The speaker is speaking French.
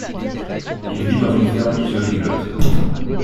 Il vit dans une ferme isolée du Lot.